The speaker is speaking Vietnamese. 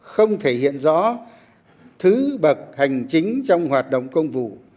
không thể hiện rõ thứ bậc hành chính trong hoạt động công vụ